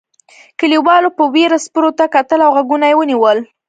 کليوالو په وېره سپرو ته کتل او غوږونه یې ونیول.